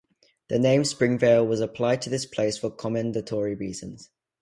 The name Springvale was applied to this place for commendatory reasons.